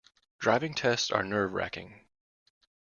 Driving tests are nerve-racking.